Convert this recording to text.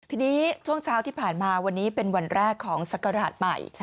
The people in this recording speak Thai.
ทีนี้ช่วงเช้าที่ผ่านมาวันนี้เป็นวันแรกของศักราชใหม่